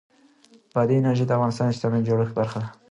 بادي انرژي د افغانستان د اجتماعي جوړښت برخه ده.